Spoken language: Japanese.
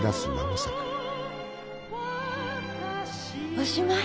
おしまい？